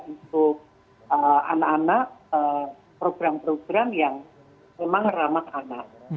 untuk anak anak program program yang memang ramah anak